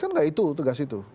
kan gak itu tegas itu